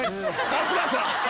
春日さん？